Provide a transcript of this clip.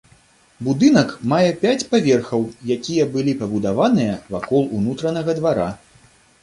Будынак мае пяць паверхаў, якія былі пабудаваныя вакол унутранага двара.